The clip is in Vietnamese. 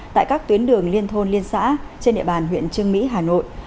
tại các tuyến đường liên thôn liên xã trên địa bàn huyện trương mỹ hà nội